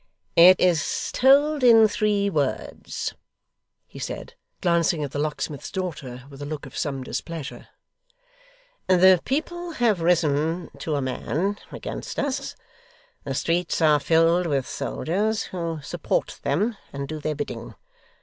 'It is told in three words,' he said, glancing at the locksmith's daughter with a look of some displeasure. 'The people have risen, to a man, against us; the streets are filled with soldiers, who support them and do their bidding.